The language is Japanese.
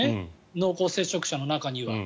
濃厚接触者の中には。